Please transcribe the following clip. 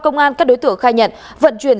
công an các đối tượng khai nhận vận chuyển